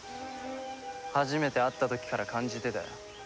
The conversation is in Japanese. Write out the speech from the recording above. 初めて会った時から感じてたよ。